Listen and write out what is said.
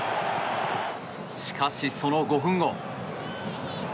しかし、その５分後。